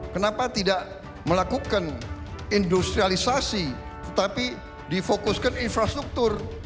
kenapa tidak melakukan industrialisasi tetapi difokuskan infrastruktur